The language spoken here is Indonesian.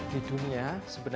di dunia sebenarnya